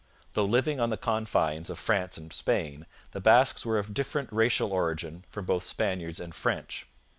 Though living on the confines of France and Spain, the Basques were of different racial origin from both Spaniards and French.